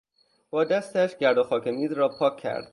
با دستش گرد و خاک میز را پاک کرد.